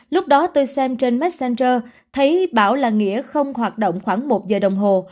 lúc đó tôi xem trên messenger thấy bảo là nghĩa không hoạt động khoảng một giờ đồng hồ